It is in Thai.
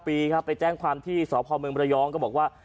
ด้านนั้นไปแจ้งความที่สพมรยองก็บอกว่า